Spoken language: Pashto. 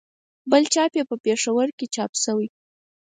بل چاپ یې په پېښور کې چاپ شوی.